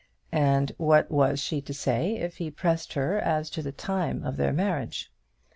And what was she to say if he pressed her as to the time of their marriage?